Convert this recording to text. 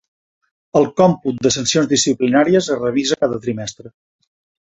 El còmput de sancions disciplinàries es revisa cada trimestre.